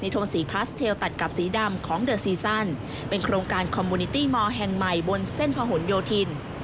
ติดตามพร้อมกันได้เลยค่ะ